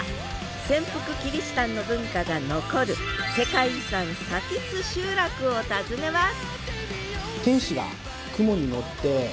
潜伏キリシタンの文化が残る世界遺産津集落を訪ねます！